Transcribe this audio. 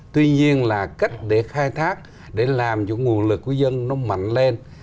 tuy nhiên là cách để khai thác để làm cho nguồn lực của dân nó mạnh lên